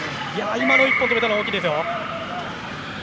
今の１本止めたのは大きいです。